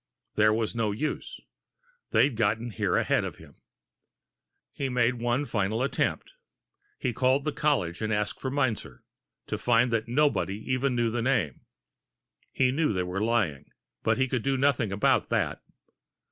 There was no use. They'd gotten there ahead of him. He made one final attempt. He called the college, asking for Meinzer, to find that nobody even knew the name! He knew they were lying but he could do nothing about that.